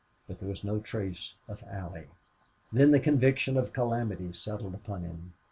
But there was no trace of Allie. Then the conviction of calamity settled upon him.